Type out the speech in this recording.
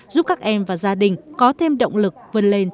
giúp các em và gia đình có thêm động lực vươn lên